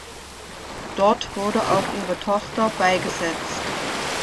Dort wurde auch ihre Tochter beigesetzt.